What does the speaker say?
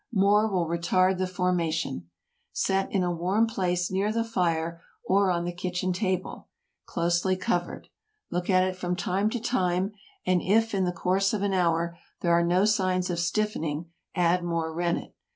More will retard the formation. Set in a warm place—near the fire, or on the kitchen table—closely covered. Look at it from time to time, and if, in the course of an hour, there are no signs of stiffening, add more rennet.